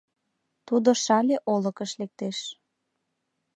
Тудо Шале олыкыш лектеш.